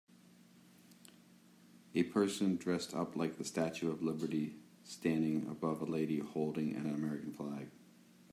A person dressed up like the statue of liberty standing above a lady holding an American flag.